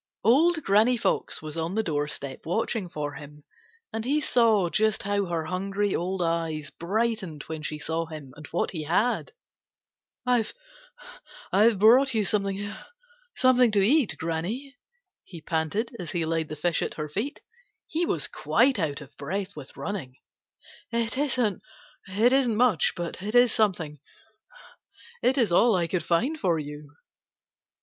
Old Granny Fox was on the doorstep watching for him, and he saw just how her hungry old eyes brightened when she saw him and what he had. "I've brought you something to eat, Granny," he panted, as he laid the fish at her feet. He was quite out of breath with running. "It isn't much, but it is something. It is all I could find for you."